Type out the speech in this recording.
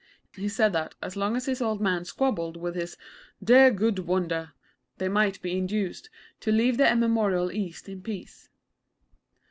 He said that, so long as his old men squabbled with his 'dear, good Wonder,' they might be induced to leave the Immemorial East in peace.